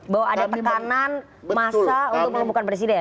bahwa ada pertahanan masa untuk melumbukkan presiden